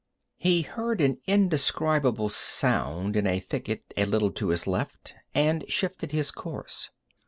He heard an indescribable sound in a thicket a little to his left, and shifted his course.